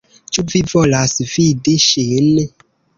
Ĉu vi volas vidi ŝin?